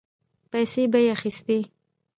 پيسې به يې اخيستې.